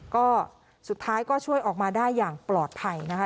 ก็สุดท้ายก็ช่วยออกมาได้อย่างปลอดภัยนะคะ